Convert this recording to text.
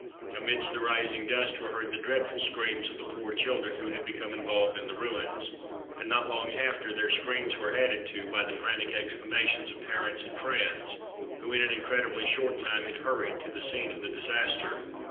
Amidst the rising dust were heard the dreadful screams of the poor children who had become involved in the ruins; and not long after, their screams were added to by the frantic exclamations of parents and friends who, in an incredibly short time had hurried to the scene of the disaster.